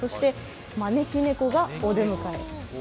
招き猫がお出迎え。